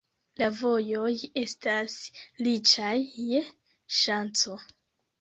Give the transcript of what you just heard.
La vojoj estas riĉaj je ŝanco.